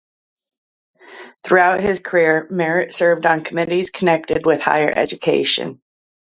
Throughout his career, Merritt served on committees connected with higher education.